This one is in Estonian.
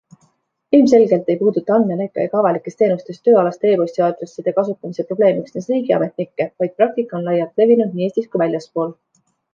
Ilmselgelt ei puuduta andmeleke ega avalikes teenustes tööalaste e-posti aadresside kasutamise probleem üksnes riigiametnikke, vaid praktika on laialt levinud nii Eestis kui väljaspool.